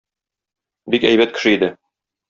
Бик әйбәт кеше иде.